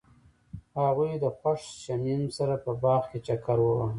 هغوی د خوښ شمیم سره په باغ کې چکر وواهه.